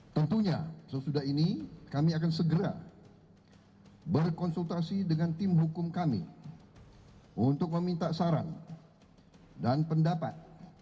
tentunya sesudah ini kami akan segera berkonsultasi dengan tim hukum kami untuk meminta saran dan pendapat